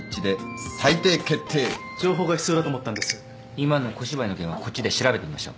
今の小芝居の件はこっちで調べてみましょう。